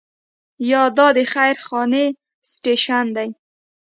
یا دا د خير خانې سټیشن دی.